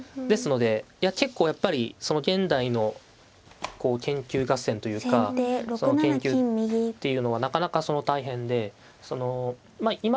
ですのでいや結構やっぱり現代のこう研究合戦というかその研究っていうのはなかなか大変でそのまあ